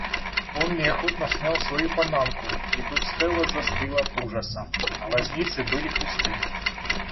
Он неохотно снял свою панамку и тут Стелла застыла от ужаса. Глазницы были пусты.